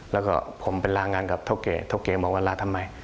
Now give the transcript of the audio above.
แล้วก็ผมไปล่างานกับเทาเกว่าเทาเกว่าบอกว่าลาทำไม